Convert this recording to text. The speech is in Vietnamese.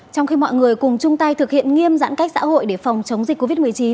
trong khi mọi người cùng chung tay thực hiện nghiêm giãn cách xã hội để phòng chống dịch covid một mươi chín